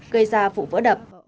gây ra vụ vỡ đập